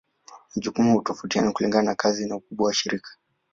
Majukumu hutofautiana kulingana na kazi na ukubwa wa shirika.